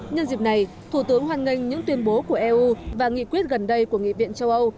nhân dịp này thủ tướng hoan nghênh những tuyên bố của eu và nghị quyết gần đây của nghị viện châu âu